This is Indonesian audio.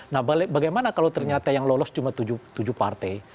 nah bagaimana kalau ternyata yang lolos cuma tujuh partai